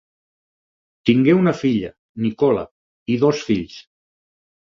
Tingué una filla, Nicola, i dos fills.